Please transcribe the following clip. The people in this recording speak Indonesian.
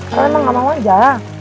karena emang gak mau aja